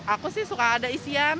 aku sih suka ada isian